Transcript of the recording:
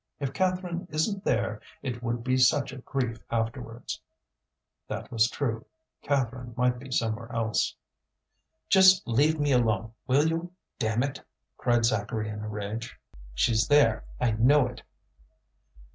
"If Catherine isn't there, it would be such a grief afterwards!" That was true; Catherine might be somewhere else. "Just leave me alone, will you? Damn it!" cried Zacharie in a rage. "She's there; I know it!"